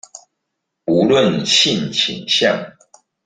無論性傾向